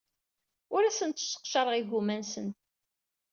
Ur asent-sseqcareɣ igumma-nsen.